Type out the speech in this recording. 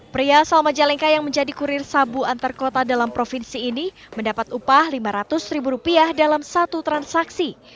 pria asal majalengka yang menjadi kurir sabu antar kota dalam provinsi ini mendapat upah lima ratus ribu rupiah dalam satu transaksi